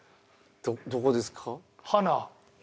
どこですか？